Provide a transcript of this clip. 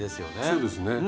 そうですね。